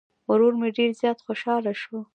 ورور مې ډير زيات خوشحاله شو